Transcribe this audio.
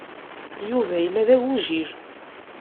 Yuba yella d agujil.